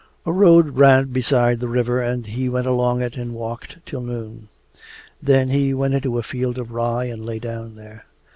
A road ran beside the river and he went along it and walked till noon. Then he went into a field of rye and lay down there.